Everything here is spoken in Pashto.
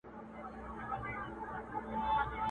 عالمه یو تر بل جارېږی.!